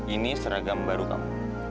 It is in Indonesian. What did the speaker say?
ini seragam baru kamu